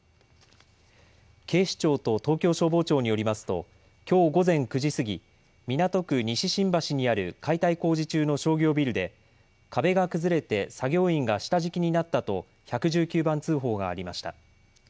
警視庁と東京消防庁によりますときょう午前９時過ぎ、港区西新橋にある解体工事中の商業ビルで、壁が崩れて作業員が下敷きになったと１１９番通報がありました。